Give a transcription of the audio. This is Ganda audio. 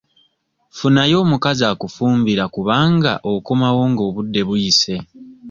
Funayo omukazi akufumbira kubanga okomawo nga obudde buyise nnyo.